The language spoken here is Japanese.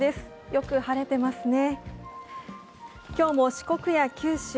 よく晴れてますね。